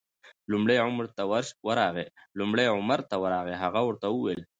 لومړی عمر ته ورغی، هغه ورته وویل: